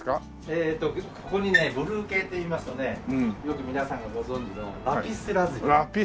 ええとここにねブルー系といいますとねよく皆さんがご存じのラピスラズリ。